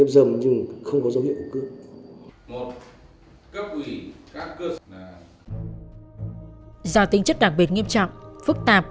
do những mối quan hệ của nạn nhân khá phức tạp